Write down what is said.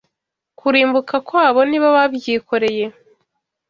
kurimbuka kwabo nibo babyikoreye